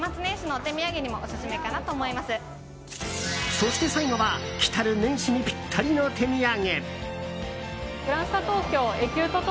そして最後は来たる年始にぴったりの手土産。